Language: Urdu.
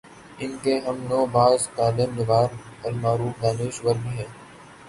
ان کے ہم نوا بعض کالم نگار المعروف دانش ور بھی ہیں۔